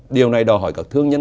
điều này đòi hỏi các thương nhân